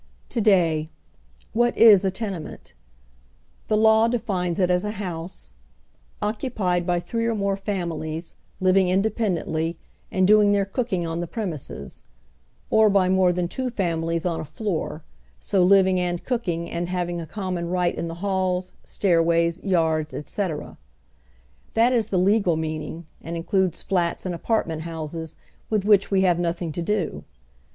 To day, what is a tenement ? The law defines it as a house "occupied by three or more families, living inde pendently and doing their cooking on the premises ; or by more than two families on a floor, so living and cooking oy Google IS riiE tniiKii 1 and having a oyiiinioii riglit iti the halls, stairways, yards, etc." That is the Iftgal meaning, and inchides flats and apartiiieut hoiises, with wliich we have nothing to do.